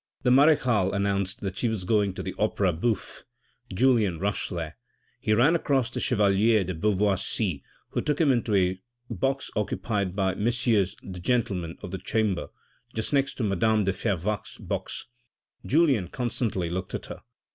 The marechale announced that she was going to the Opera Bouffe. Julien rushed there. He ran across the Chevalier de Beauvoisis who took him into a box occupied by Messieurs the Gentlemen of the Chamber, just next to madame de Fervaques's box. Julien constantly looked at her.